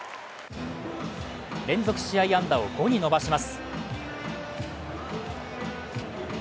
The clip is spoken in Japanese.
連続試合安打を５に伸ばします。